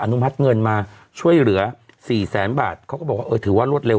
นุมัติเงินมาช่วยเหลือสี่แสนบาทเขาก็บอกว่าเออถือว่ารวดเร็